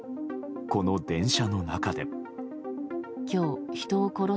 この電車の中で。